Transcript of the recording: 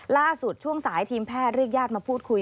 ช่วงสายทีมแพทย์เรียกญาติมาพูดคุย